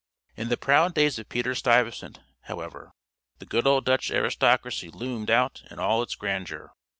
In the proud days of Peter Stuyvesant, however, the good old Dutch aristocracy loomed out in all its grandeur.